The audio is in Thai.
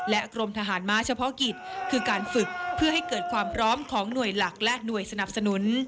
กรมทหารม้าเฉพาะกิจคือการฝึกเพื่อให้เกิดความพร้อมของหน่วยหลักและหน่วยสนับสนุน